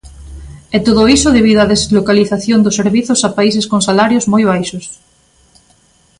E todo iso debido á deslocalización dos servizos a países con salarios moi baixos.